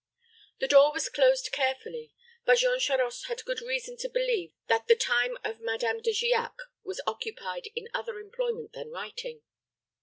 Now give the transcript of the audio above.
The door was closed carefully; but Jean Charost had good reason to believe that the time of Madame De Giac was occupied in other employment than writing.